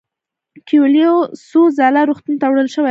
کویلیو څو ځله روغتون ته وړل شوی و.